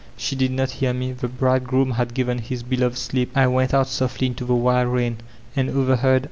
She did not hear me ; the Bridegroom 'liad given His Betoved Sleep." I went out softly into the wild rain, and overhead.